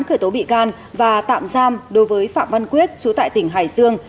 khởi tố bị can và tạm giam đối với phạm văn quyết chú tại tỉnh hải dương